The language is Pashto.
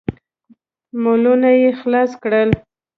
مولونه يې خلاص کړل.